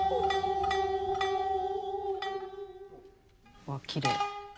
うわっきれい。